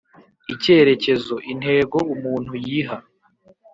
ikerekezo : intego umuntu yiha.